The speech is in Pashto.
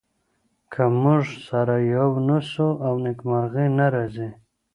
که موږ سره يو نه سو نو نېکمرغي نه راځي.